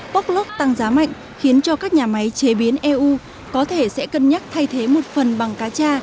bóc lốc tăng giá mạnh khiến cho các nhà máy chế biến eu có thể sẽ cân nhắc thay thế một phần bằng cá cha